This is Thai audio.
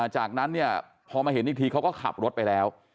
จากนั้นเนี่ยพอมาเห็นอีกทีเขาก็ขับรถไปแล้ว